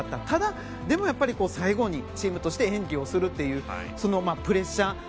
ただ、でもやっぱり最後にチームとして演技をするというそのプレッシャー。